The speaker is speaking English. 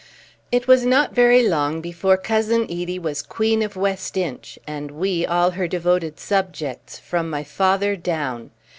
It was not very long before Cousin Edie was queen of West Inch, and we all her devoted subjects from my father down.